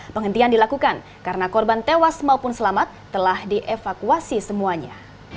penghentian dilakukan karena korban tewas maupun selamat telah dievakuasi semuanya